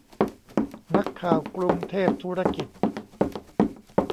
นักข่าวกรุงเทพธุรกิจ